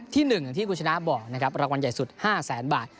ที่๑ที่กูชนะบอกนะครับรางวัลใหญ่สุด๕๐๐๐๐๐บาท